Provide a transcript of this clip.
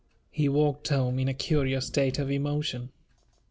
He walked home in a curious state of emotion.